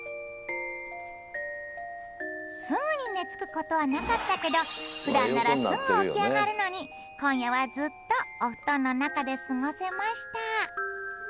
すぐに寝つく事はなかったけどふだんならすぐ起き上がるのに今夜はずっとお布団の中で過ごせました。